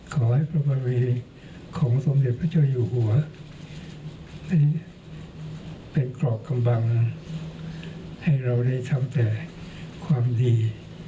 ขอให้พระบรมีของสมเด็จพระเจ้าอยู่หัวเป็นกรอบกำบังให้เราได้ทำแต่ความดี